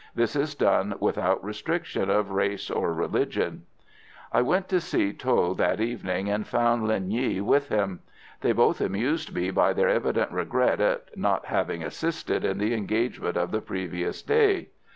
This is done without restriction of race or religion. I went to see Tho that evening, and found Linh Nghi with him. They both amused me by their evident regret at not having assisted in the engagement of the previous day.